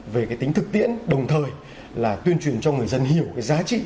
về cái tính thực tiễn đồng thời là tuyên truyền cho người dân hiểu cái giá trị